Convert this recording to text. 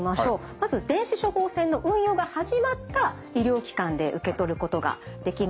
まず電子処方箋の運用が始まった医療機関で受け取ることができます。